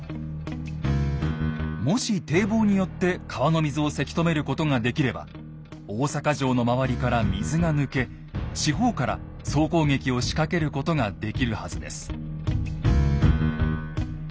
もし堤防によって川の水をせき止めることができれば大坂城の周りから水が抜け四方から総攻撃を仕掛けることができるはずです。